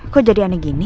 kok jadi aneh gini